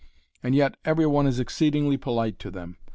And yet every one is exceedingly polite to them.